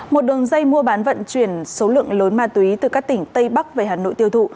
một đường dây mua bán vận chuyển số lượng lớn ma túy từ các tỉnh tây bắc về hà nội tiêu thụ